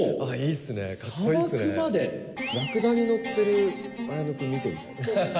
ラクダに乗ってる綾野君、見てみたい。